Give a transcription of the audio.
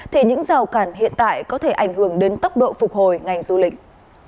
thì những rào cản hiện tại có thể ảnh hưởng đến tốc độ phục hồi ngành du lịch